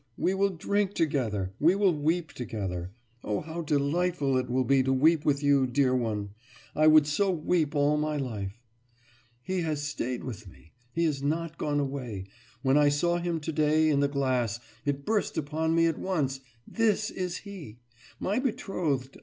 We will drink together! We will weep together. Oh, how delightful it will be to weep with you, dear one. I would so weep all my life. He has stayed with me. He has not gone away. When I saw him today, in the glass, it burst upon me at once: This is he! my betrothed!